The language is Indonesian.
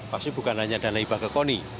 pasti bukan hanya dana hibah ke koni